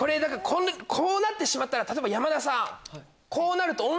こうなってしまったら山田さん。